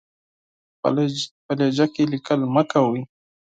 په لهجه کې ليکل مه کوئ!